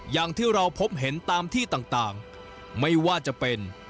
อย่างที่เราพบเห็นตามที่ต่างไม่ว่าจะเป็น